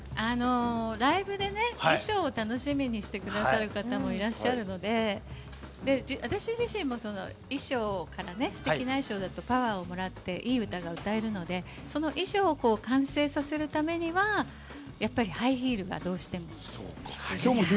ライブで衣装を楽しみにしてくださる方もいらっしゃるので、私自身もすてきな衣装からパワーをもらって、いい歌が歌えるので、衣装を完成させるためにはハイヒールがどうしても必需品。